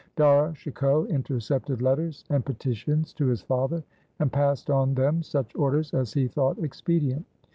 Dara Shikoh intercepted letters and peti tions to his father, and passed on them such orders as he thought expedient.